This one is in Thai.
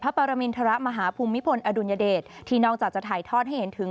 ปรมินทรมาฮภูมิพลอดุลยเดชที่นอกจากจะถ่ายทอดให้เห็นถึง